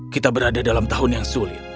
kita berada dalam tahun yang sulit